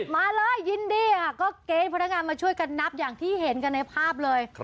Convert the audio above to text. มาเลยยินดีค่ะก็เกณฑ์พนักงานมาช่วยกันนับอย่างที่เห็นกันในภาพเลย